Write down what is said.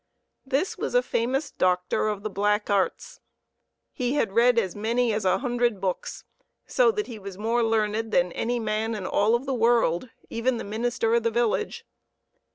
This was a famous doctor of the black arts. He had read as many as a hundred books, so that he was more learned than any man in all of the world even the minister of the village.